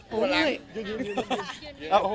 มีมีนบ้างเหรอ